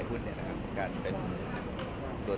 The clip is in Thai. มันเป็นแบบที่สุดท้ายแต่มันเป็นแบบที่สุดท้าย